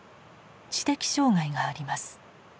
知的障害があります。